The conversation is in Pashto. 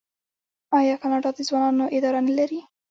آیا کاناډا د ځوانانو اداره نلري؟